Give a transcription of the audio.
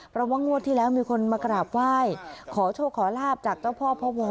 เพราะว่างวดที่แล้วมีคนมากราบไหว้ขอโชคขอลาบจากเจ้าพ่อพ่อวอ